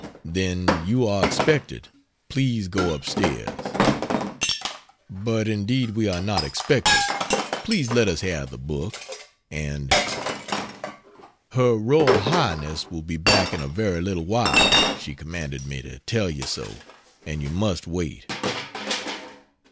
"Then you are expected, please go up stairs." "But indeed we are not expected please let us have the book and " "Her Royal Highness will be back in a very little while she commanded me to tell you so and you must wait."